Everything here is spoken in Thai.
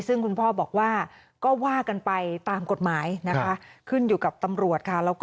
ซึ่งคุณพ่อบอกว่าก็ว่ากันไปตามกฎหมายนะคะขึ้นอยู่กับตำรวจค่ะ